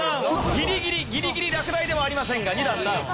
ギリギリギリギリ落第ではありませんが２段ダウン。